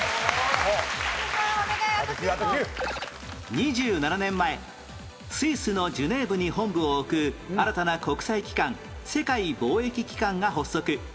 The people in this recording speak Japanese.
２７年前スイスのジュネーブに本部を置く新たな国際機関世界貿易機関が発足